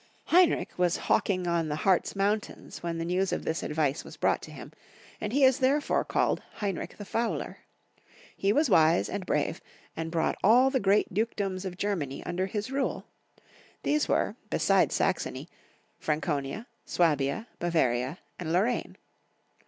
Heinrich was hawking on the Harz Mountains when the news of this advice was brought to him, and he is therefore called Heinrich the Fowler. He was wise and brave, and brought all the great duke doms of Germany under his rule. These were, besides Saxony, Franeonia, Swabia, Bavaria, and Lorraine.